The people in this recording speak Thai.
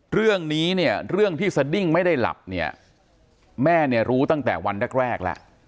เรื่องนี้เนี่ยเรื่องที่สดิ้งไม่ได้หลับเนี่ยแม่เนี่ยรู้ตั้งแต่วันแรกแล้ว